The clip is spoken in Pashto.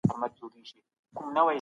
د علم هدف د انسانانو خدمت کول دي.